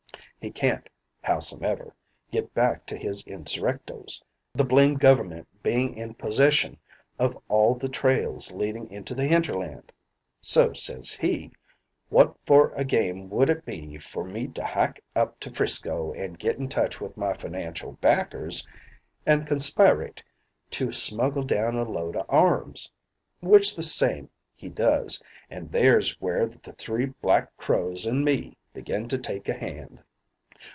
He can't, howsomever, git back to his insurrectos; the blame Gover'ment being in possession of all the trails leadin' into the hinterland; so says he, 'What for a game would it be for me to hyke up to 'Frisco an' git in touch with my financial backers an' conspirate to smuggle down a load o' arms?' Which the same he does, and there's where the Three Black Crows an' me begin to take a hand.